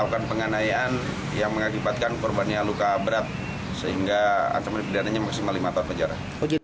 kepada korbannya luka berat sehingga ancaman pilihanannya maksimal lima tahun pejarah